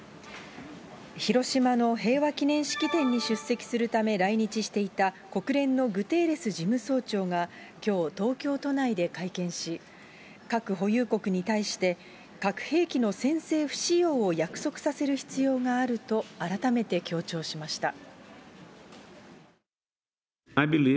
広島の平和記念式典に出席するため来日していた、国連のグテーレス事務総長が、きょう、東京都内で会見し、核保有国に対して、核兵器の先制不使用を約束させる必要があると改めて強調しました。